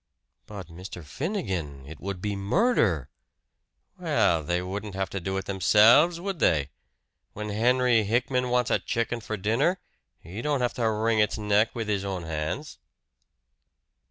"But Mr. Finnegan, it would be murder!" "Well, they wouldn't have to do it themselves, would they? When Henry Hickman wants a chicken for dinner, he don't have to wring its neck with his own hands."